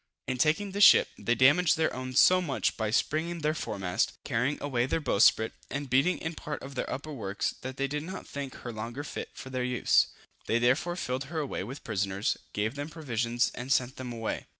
In taking this ship, they damaged their own so much, by springing their foremast, carrying away their bowsprit, and beating in part of their upper works that they did not think her longer fit for their use. They therefore filled her away with prisoners, gave them provision and sent them away.